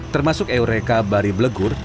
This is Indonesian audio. termasuk eureka bari belegur